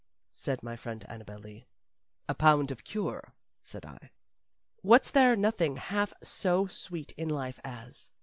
said my friend Annabel Lee. "A pound of cure," said I. "What's there nothing half so sweet in life as?"